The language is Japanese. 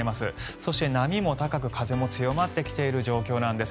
そして波も高く風も強まってきている状況なんです。